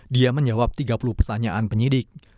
dia menjawab tiga puluh pertanyaan penyidik